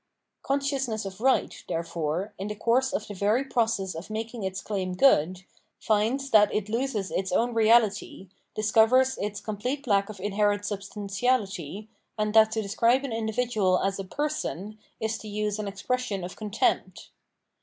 Consciousness of right, therefore, in the course of the very process of making its claim good, finds that it loses its own reality, discovers its complete lack of inherent substantiahty, and that to describe an individual as a " person " is to use an expression of contempt.